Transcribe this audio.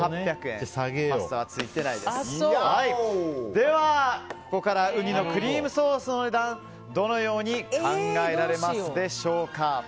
では、ここからウニのクリームソースのお値段どのように考えられますでしょうか。